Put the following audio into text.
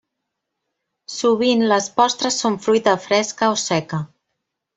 Sovint les postres són fruita fresca o seca.